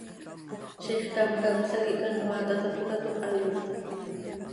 Zixcám cacöla quih canoaa quih hatapócatoj, hayoomlajc.